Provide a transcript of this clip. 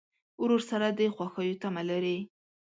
ورور سره د خوښیو تمه لرې.